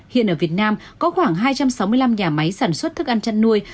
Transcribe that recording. hiện ở việt nam có khoảng hai trăm sáu mươi năm nhà máy sản xuất thức ăn chăn nuôi